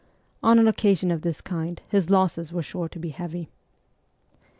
On an occasion of this kind his losses were sure to be heavy.